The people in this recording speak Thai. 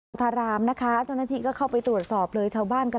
อันดับสามแปดอกทรงเทพนอนอยู่ใต้ต้องต้องบังติย์